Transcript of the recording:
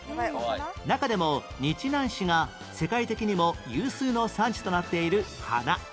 中でも日南市が世界的にも有数の産地となっている花